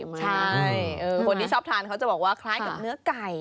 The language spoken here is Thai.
ใช่คนที่ชอบทานเขาจะบอกว่าคล้ายกับเนื้อไก่